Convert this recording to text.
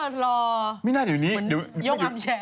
เหรอไม่น่าจะอยู่นี้ยกอัมแชร์